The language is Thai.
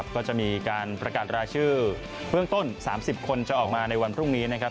ก็จะมีการประกาศรายชื่อเบื้องต้น๓๐คนจะออกมาในวันพรุ่งนี้นะครับ